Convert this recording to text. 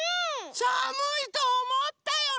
さむいとおもったよね！